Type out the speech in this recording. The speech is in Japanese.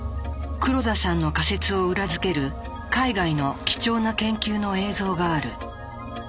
黒田さんの仮説を裏付ける海外の貴重な研究の映像がある。